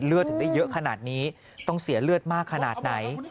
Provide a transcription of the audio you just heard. ถึงได้เยอะขนาดนี้ต้องเสียเลือดมากขนาดไหน